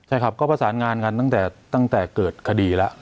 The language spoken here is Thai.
ใช่ครับก็ประสานงานกันตั้งแต่เกิดคดีแล้ว